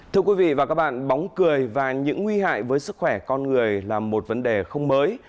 thưa quý vị và các bạn bóng cười và những nguy hại với sức khỏe con người là một vấn đề không mới